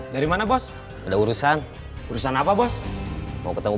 dari mana bos ada urusan urusan apa bos mau ketemu